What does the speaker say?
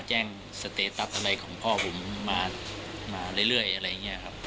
แจ้งสเตตัสอะไรของพ่อผมมาเรื่อยอะไรอย่างนี้ครับ